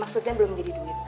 maksudnya belum jadi duit